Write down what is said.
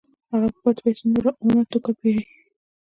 هغه په پاتې پیسو نور اومه توکي پېري